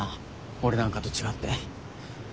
俺なんかと違って。